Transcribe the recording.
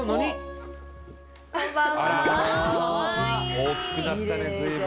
大きくなったね随分。